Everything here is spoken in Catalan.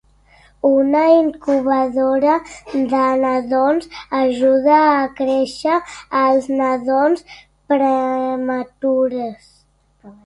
Una incubadora de nadons ajuda a créixer els nadons prematurs.